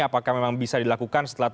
apakah memang bisa dilakukan setelah